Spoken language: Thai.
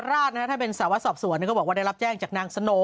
ท่านเป็นสาวสอบสวนก็บอกว่าได้รับแจ้งจากนางสโน